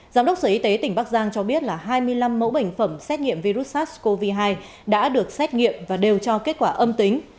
giám đốc sở y tế tỉnh bắc giang cho biết là hai mươi năm mẫu bệnh phẩm xét nghiệm virus sars cov hai đã được xét nghiệm và đều cho kết quả âm tính